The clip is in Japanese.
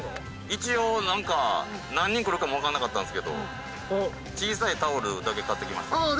一応何か何人来るかもわかんなかったんすけど小さいタオルだけ買ってきましたああ